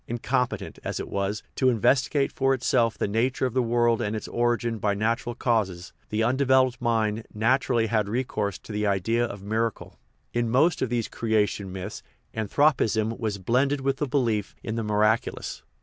Incompetent, as it was, to inves tigate for itself the nature of the world and its origin by natural causes, the undeveloped mind naturally had recourse to the idea of miracle. In most of these creation myths anthropism was blended with the belief in the miraculous.